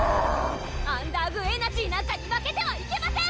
アンダーグ・エナジーなんかに負けてはいけません！